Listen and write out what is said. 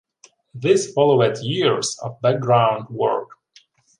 This followed years of background work.